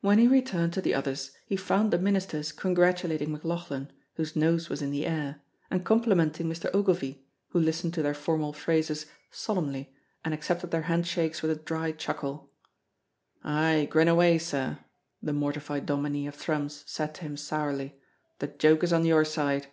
When he returned to the others he found the ministers congratulating McLauchlan, whose nose was in the air, and complimenting Mr. Ogilvy, who listened to their formal phrases solemnly and accepted their hand shakes with a dry chuckle. "Ay, grin away, sir," the mortified dominie of Thrums said to him sourly, "the joke is on your side."